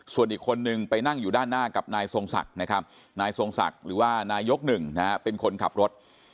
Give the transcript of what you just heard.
ส่วนอีกคนนึงไปนั่งอยู่ด้านหน้ากับนายทรงศักดิ์นะครับนายทรงศักดิ์หรือว่านายกหนึ่งนะฮะเป็นคนขับรถ